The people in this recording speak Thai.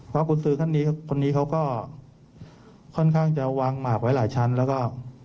วักษูขั้นดีคนนี้เขาก็ค่อนข้างจะวางหมากไว้หลายชั้นแล้วก็